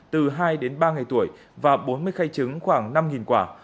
từ hai đến ba ngày tuổi và bốn mươi khay trứng khoảng năm quả